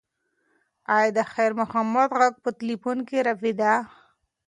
ایا د خیر محمد غږ په تلیفون کې رپېده؟